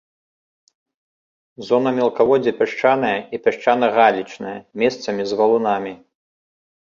Зона мелкаводдзя пясчаная і пясчана-галечная, месцамі з валунамі.